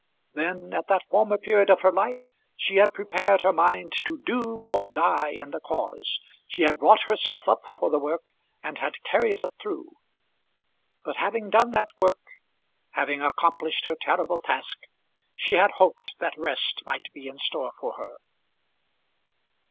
Then, at that former period of her life, she had prepared her mind to do or die in the cause. She had wrought herself up for the work, and had carried it through. But having done that work, having accomplished her terrible task, she had hoped that rest might be in store for her.